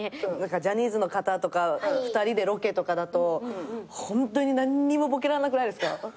ジャニーズの方とか２人でロケとかだとホントに何にもボケらんなくないですか？